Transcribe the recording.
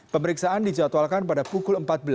pemeriksaan dijadwalkan pada pukul empat belas